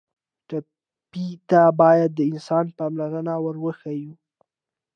ټپي ته باید د انسان پاملرنه ور وښیو.